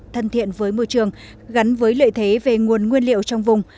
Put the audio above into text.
thân thiện với môi trường gắn với lợi thế về nguồn nguyên liệu trong vùng